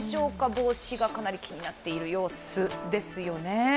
帽子がかなり気になっている様子ですよね。